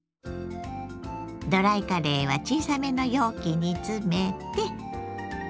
ドライカレーは小さめの容器に詰めて。